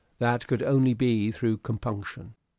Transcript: That could only be through compunction.